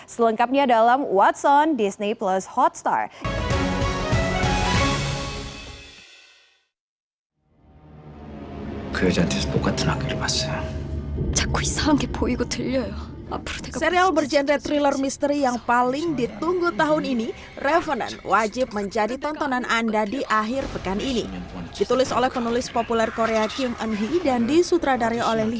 selengkapnya dalam what's on disney plus hotstar